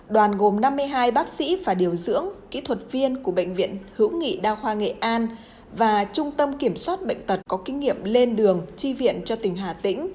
đoàn gồm năm mươi hai bác sĩ và điều dưỡng kỹ thuật viên của bệnh viện hữu nghị đa khoa nghệ an và trung tâm kiểm soát bệnh tật có kinh nghiệm lên đường chi viện cho tỉnh hà tĩnh